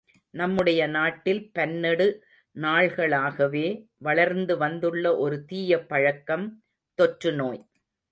நம்முடைய நாட்டில் பன்னெடு நாள்களாகவே வளர்ந்து வந்துள்ள ஒரு தீய பழக்கம் தொற்றுநோய்.